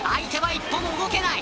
相手は一歩も動けない。